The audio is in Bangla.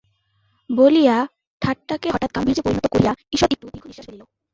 বলিয়া ঠাট্টাকে হঠাৎ গাম্ভীর্যে পরিণত করিয়া ঈষৎ একটু দীর্ঘনিশ্বাস ফেলিল।